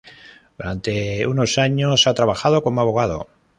Durante unos años ha trabajado como abogado.